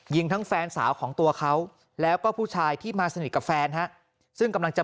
ยิงทั้งแฟนสาวของตัวเขา